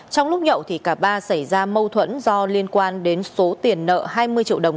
trong lúc nhậu thì cả ba xảy ra mâu thuẫn do liên quan đến số tiền nợ hai mươi triệu đồng